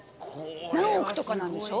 何億とかなんでしょ